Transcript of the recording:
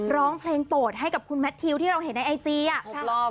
ร้องเพลงโปรดให้กับคุณแมททิวที่เราเห็นในไอจีอ่ะ๖รอบ